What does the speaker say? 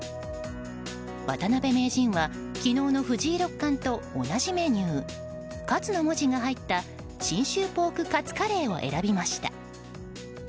渡辺名人は昨日の藤井六冠と同じメニュー「勝」の文字が入った信州ポーク勝カレーを選びました。